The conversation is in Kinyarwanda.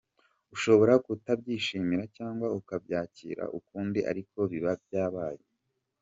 Ushobora kutabyishimira cyangwa ukabyakira ukundi ariko biba byabaye.